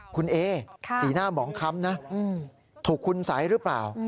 คุณเอสีหน้าหมองค้ำนะถูกคุณสัยหรือเปล่า